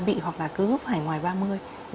bị hoặc là cứ phải ngoài ba mươi